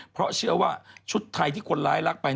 เพราะเชื่อว่าชุดไทยที่คนร้ายรักไป